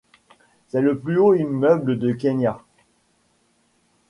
C'est le plus haut immeuble du Kenya.